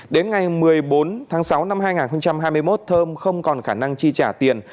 đến ngày một mươi bốn tháng sáu năm hai nghìn hai mươi một thơm không còn khả năng chi trả tiền